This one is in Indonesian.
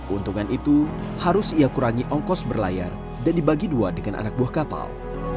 untungan itu harus ia kurangi ongkos berlayar dan dibagi dua dengan anak buah kapal